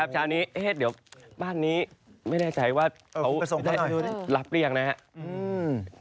เช้านี้บ้านนี้ไม่แน่ใจว่าเขาได้รับเรียงนะครับ